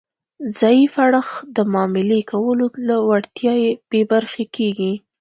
ضعیف اړخ د معاملې کولو له وړتیا بې برخې کیږي